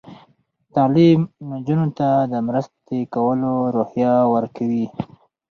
تعلیم نجونو ته د مرستې کولو روحیه ورکوي.